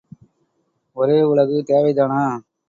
ஒரே உலகு தேவைதானா?